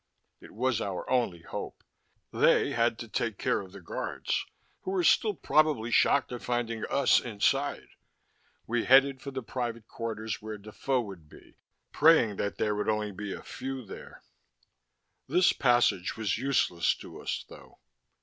It was our only hope. They had to take care of the guards, who were still probably shocked at finding us inside. We headed for the private quarters where Defoe would be, praying that there would be only a few there. This passage was useless to us, though.